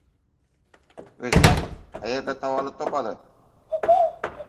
O‘zbak qayerda tavallud topadi